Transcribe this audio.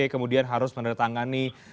kemudian harus menertangani